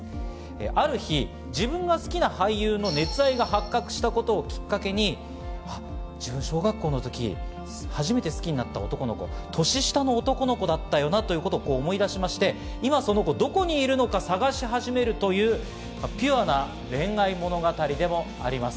ある日、自分が好きな俳優の熱愛が発覚したことをきっかけに小学校の時、初めて好きになった男の子、年下の男の子だったよなと思い出しまして、今その男の子がどこにいるのか捜し始めるというピュアな恋愛物語でもあります。